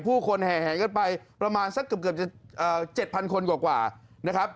ผู้คนแห่งกันไปประมาณสักเกือบ๗๐๐๐คนกว่า